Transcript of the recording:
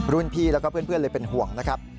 พี่แล้วก็เพื่อนเลยเป็นห่วงนะครับ